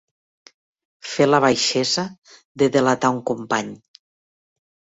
Fer la baixesa de delatar un company.